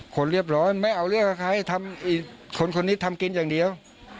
คนเรียบร้อยไม่เอาเรื่องกับใครทำคนคนนี้ทำกินอย่างเดียว